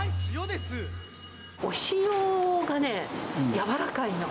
お塩がね、やわらかいの。